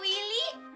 wah dari yang willy